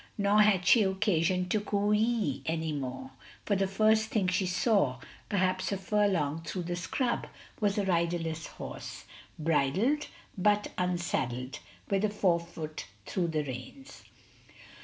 Nor had she occasion to coo ee any more. For the first thing she saw, perhaps a furlong through the scrub, was a riderless horse, bridled but unsaddled, with a forefoot through the reins.